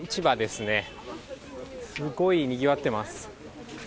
すごいにぎわってます。